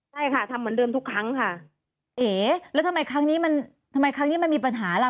ใช่ค่ะทำเหมือนเดิมทุกครั้งค่ะเอ๋แล้วทำไมครั้งนี้มันทำไมครั้งนี้มันมีปัญหาเรา